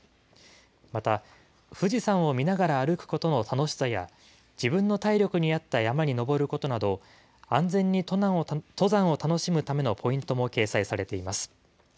また富士山を見ながら歩くことの楽しさや、自分の体力に合った山に登ることなど、安全に登山を楽しむためのポイントも掲載されています。